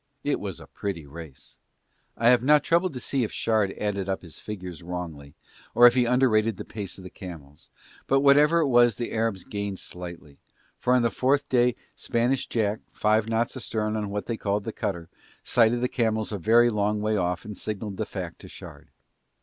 It was a pretty race. I have not troubled to see if Shard added up his figures wrongly or if he under rated the pace of camels, but whatever it was the Arabs gained slightly, for on the fourth day Spanish Jack, five knots astern on what they called the cutter, sighted the camels a very long way off and signalled the fact to Shard.